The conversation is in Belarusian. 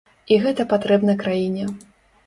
І гэта патрэбна краіне.